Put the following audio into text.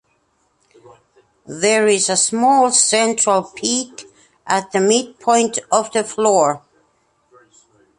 There is a small central peak at the midpoint of the floor.